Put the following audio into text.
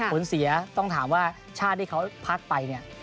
ผลเสียต้องถามว่าชาติที่เขาพักไปเนี่ย